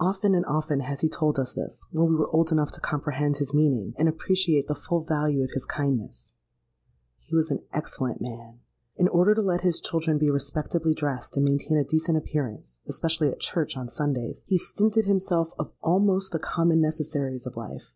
Often and often has he told us this, when we were old enough to comprehend his meaning, and appreciate the full value of his kindness. He was an excellent man. In order to let his children be respectably dressed and maintain a decent appearance—especially at church on Sundays—he stinted himself of almost the common necessaries of life.